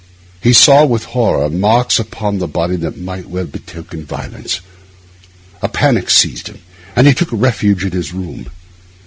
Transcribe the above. He saw, with horror, marks upon her body that might well betoken violence. A panic seized him, and he took refuge in his room.